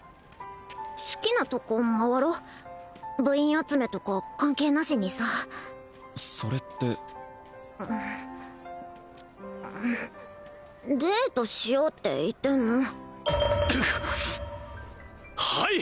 好きなとこ回ろう部員集めとか関係なしにさそれってデートしようって言ってんのはい！